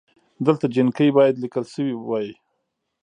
دلته جینکۍ بايد ليکل شوې وئ